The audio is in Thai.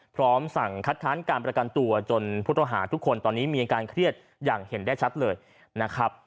พร้อมสั่งคัดค้านการประกันตัวจนผู้ต้องหาทุกคนตอนนี้มีอาการเครียดอย่างเห็นได้ชัดเลยนะครับ